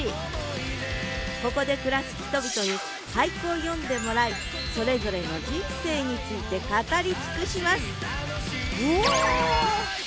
ここで暮らす人々に俳句を詠んでもらいそれぞれの人生について語り尽くしますうわ。